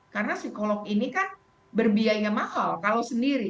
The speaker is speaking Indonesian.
karena psikolog ini kan berbiaya mahal kalau sendiri